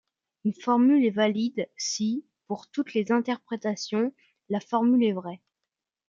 Une formule est valide si, pour toutes les interprétations, la formule est vraie.